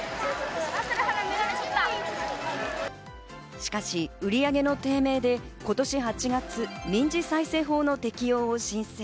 しかし、売上の低迷で今年８月、民事再生法の適用を申請。